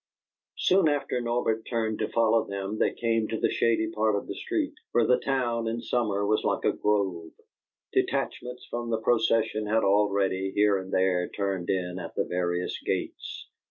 Soon after Norbert turned to follow them, they came to the shady part of the street, where the town in summer was like a grove. Detachments from the procession had already, here and there, turned in at the various gates.